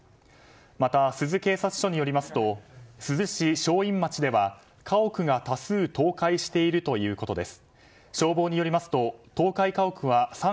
また、珠洲警察署によりますと珠洲市正院町では、家屋が多数倒壊しているということです。